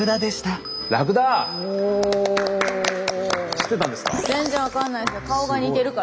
知ってたんですか？